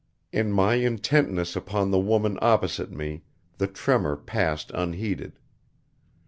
In my intentness upon the woman opposite me the tremor passed unheeded.